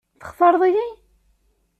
Textaṛeḍ-iyi?